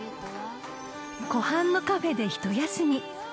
［湖畔のカフェで一休み］